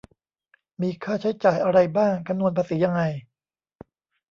มีค่าใช้จ่ายอะไรบ้าง คำนวณภาษียังไง